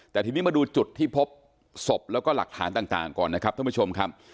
แต่ทีนี้มาดูจุดที่พบศพแล้วก็หลักฐานต่างก่อนนะครับท่านผู้ชมครับ